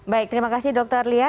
baik terima kasih dokter lia